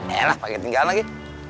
eh lah pake ketinggalan lagi